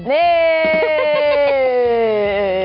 เฮ้ย